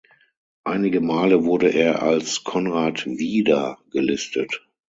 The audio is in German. Einige Male wurde er als "Konrad Wieder" gelistet.